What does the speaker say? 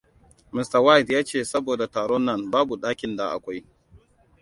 Mista White ya ce saboda taron nan, babu dakin da akoi.